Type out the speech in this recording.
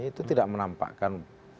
itu tidak menampakkan